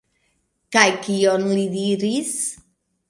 Kaj kion li diris?